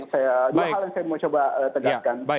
itu hal yang saya mau coba tegarkan